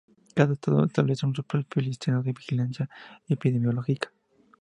Cada estado establece su propio listado de vigilancia epidemiológica.